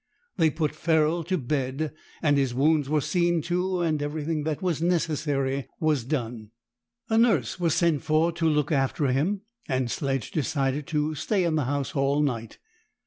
They put Ferrol to bed, and his wounds were seen to and everything that was necessary was done. A nurse was sent for to look after him, and Sledge decided to stay in the house all night.